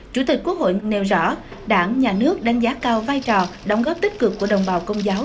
chủ tịch quốc hội nêu rõ đảng nhà nước đánh giá cao vai trò đóng góp tích cực của đồng bào công giáo